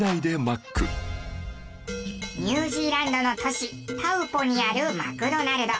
ニュージーランドの都市タウポにあるマクドナルド。